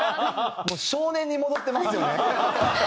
もう少年に戻ってますよね。